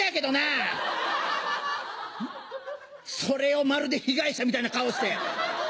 それをまるで被害者みたいな顔して。